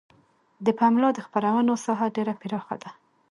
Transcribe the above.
د پملا د خپرونو ساحه ډیره پراخه ده.